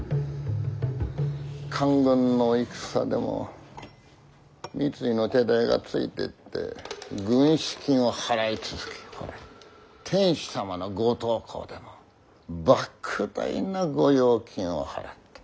官軍の戦でも三井の手代がついていって軍資金を払い続けほれ天子様のご東幸でも莫大な御用金を払って。